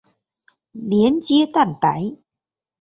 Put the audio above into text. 连接蛋白。